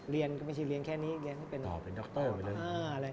เรียนไม่ใช่เรียนแค่นี้เราต้องเป็นต่อไปโดคเตอร์ไปเลย